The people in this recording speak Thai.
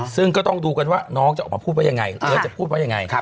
ซึ่งก็ต้องดูกันว่าน้องจะออกมาพูดว่ายังไงเอิร์ทจะพูดว่ายังไง